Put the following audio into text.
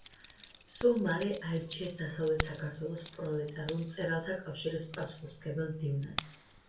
სულ მალე აირჩიეს დასავლეთ საქართველოს პროლეტარულ მწერალთა კავშირის პასუხისმგებელ მდივნად.